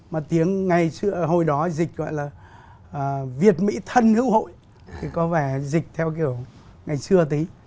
mà tiếng ngày hồi đó dịch gọi là việt mỹ thân hữu hội thì có vẻ dịch theo kiểu ngày xưa tí